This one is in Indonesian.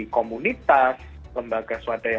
komunitas lembaga swadaya